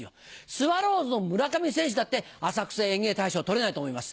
スワローズの村上選手だって浅草芸能大賞は取れないと思います。